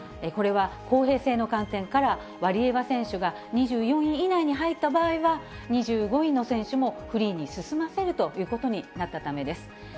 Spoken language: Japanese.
これは公平性の観点から、ワリエワ選手が２４位以内に入った場合は、２５位の選手もフリーに進ませるということになったためです。